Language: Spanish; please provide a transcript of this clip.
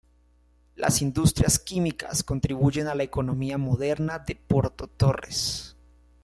Las industrias químicas contribuyen a la economía moderna de Porto Torres.